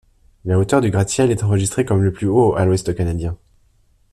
La hauteur du gratte-ciel est enregistré comme le plus haut à l'ouest Canadien.